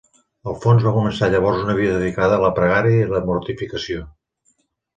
Alfons va començar llavors una vida dedicada a la pregària i la mortificació.